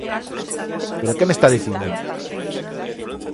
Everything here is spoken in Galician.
¡Pero que me está dicindo!